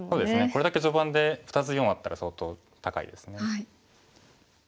これだけ序盤で２つ４あったら相当高いですね。